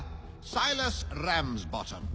サイラス・ラムズボトム。